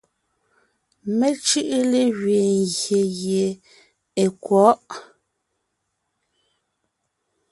Mé cʉ́ʼʉ légẅiin ngyè gie è kwɔ̌ʼ.